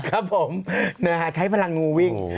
ครับผมใช้พลังงูวิ่ง